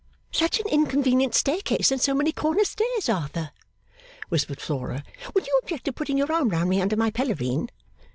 'Such an inconvenient staircase and so many corner stairs Arthur,' whispered Flora, 'would you object to putting your arm round me under my pelerine?